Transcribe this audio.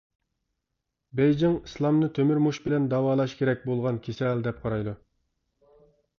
بېيجىڭ ئىسلامنى تۆمۈر مۇش بىلەن داۋالاش كېرەك بولغان كېسەل دەپ قارايدۇ.